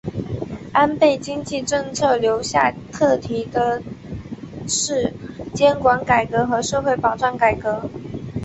安倍经济政策留下课题的是监管改革和社会保障改革。